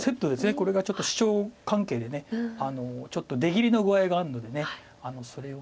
これがシチョウ関係でちょっと出切りの具合があるのでそれを。